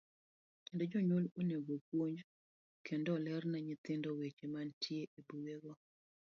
Kendo jonyuol onego opuonj kendo oler ne nyithindo weche mantie e buge go.